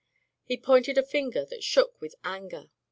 He pointed a finger that shook with anger.